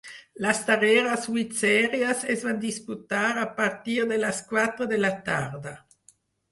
Les darreres vuit sèries es van disputar a partir de les quatre de la tarda.